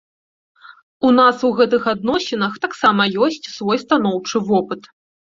У нас у гэтых адносінах таксама ёсць свой станоўчы вопыт.